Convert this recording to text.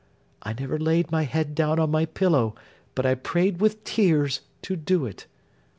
I never laid my head down on my pillow, but I prayed with tears to do it.